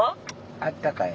あったかい？